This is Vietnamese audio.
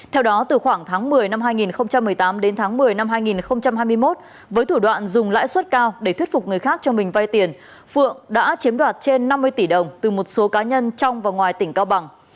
theo đó từ khoảng tháng một mươi năm hai nghìn một mươi tám đến tháng một mươi năm hai nghìn hai mươi một với thủ đoạn dùng lãi suất cao để thuyết phục người khác cho mình vay tiền phượng đã chiếm đoạt trên năm mươi tỷ đồng từ một số cá nhân trong và ngoài tỉnh cao bằng